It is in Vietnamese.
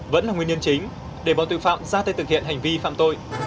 vẫn là nguyên nhân chính để bọn tội phạm ra tay thực hiện hành vi phạm tội